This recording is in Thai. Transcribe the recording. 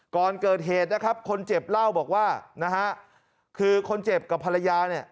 ก่อนเกิดเหตุนะครับคนเจ็บเล่าบอกว่านะฮะคือคนเจ็บกับภรรยาเนี่ย